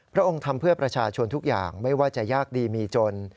พระองค์ทำเพื่อประชาชนทุกอย่างไม่ว่าจะยากดีมีจน